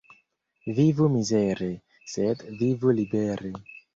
Vivu mizere, sed vivu libere!